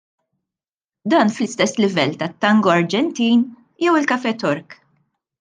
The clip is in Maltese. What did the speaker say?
Dan, fl-istess livell tat-tango Arġentin jew il-kafé Tork.